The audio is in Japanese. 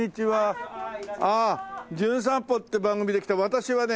『じゅん散歩』って番組で来た私はね